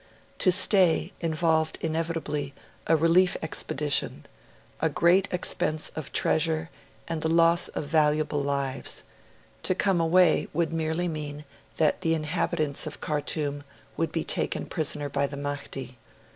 To stay involved inevitably a relief expedition a great expense of treasure and the loss of valuable lives; to come away would merely mean that the inhabitants of Khartoum would be 'taken prisoner by the Mahdi'.